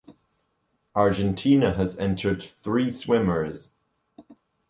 Argentina has entered three swimmers.